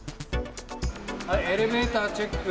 エレベーター、チェック。